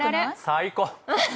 最高！